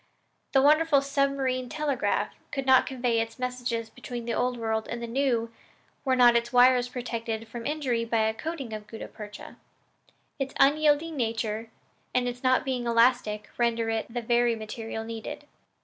The wonderful submarine telegraph could not convey its messages between the Old World and the New were not its wires protected from injury by a coating of gutta percha. Its unyielding nature and its not being elastic render it the very material needed.